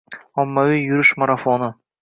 Ommaviy yurish marafoni